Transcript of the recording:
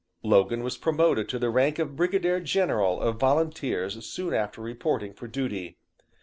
"Logan was promoted to the rank of Brigadier General of Volunteers soon after reporting for duty.